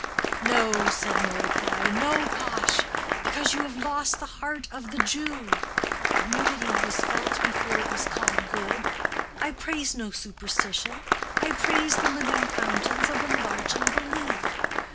"No," said Mordecai, "no, Pash, because you have lost the heart of the Jew. Community was felt before it was called good. I praise no superstition, I praise the living fountains of enlarging belief.